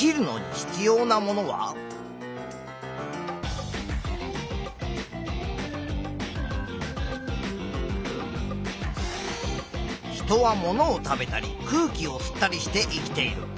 人はものを食べたり空気を吸ったりして生きている。